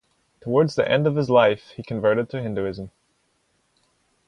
Towards the end of his life he converted to Hinduism.